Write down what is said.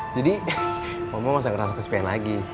jadi oma masih ngerasa kesepian lagi